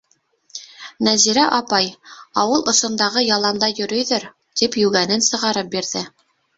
Нәзирә апай, ауыл осондағы яланда йөрөйҙөр, тип йүгәнен сығарып бирҙе.